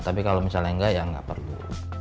tapi kalau misalnya enggak ya nggak perlu